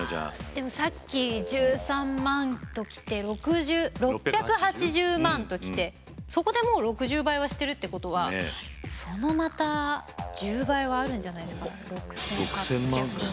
でもさっき１３万ときて６８０万ときてそこでもう６０倍はしてるってことはそのまた１０倍はあるんじゃないですか。